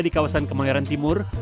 di kawasan kemayoran timur